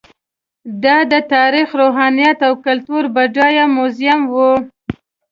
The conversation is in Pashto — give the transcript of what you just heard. دا د تاریخ، روحانیت او کلتور بډایه موزیم و.